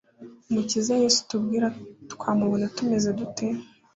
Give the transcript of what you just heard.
Umukiza Yes' utubwira, Twamubona tumeze dute se ?